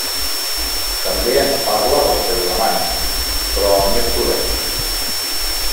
També ens parla dels seus amants, però amb més prudència.